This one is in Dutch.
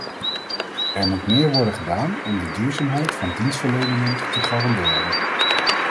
Er moet meer worden gedaan om de duurzaamheid van dienstverleningen te garanderen.